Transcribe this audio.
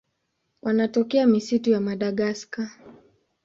Wanatokea misitu ya Madagaska.